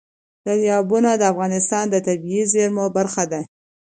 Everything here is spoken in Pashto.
دریابونه د افغانستان د طبیعي زیرمو برخه ده.